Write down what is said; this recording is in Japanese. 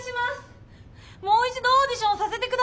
もう一度オーディションをさせて下さい。